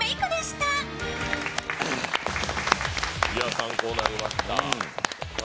参考になりました。